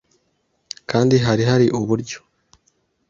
kandi hari hari uburyo